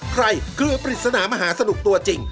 เกลือปริศนามหาสนุกตัวจริง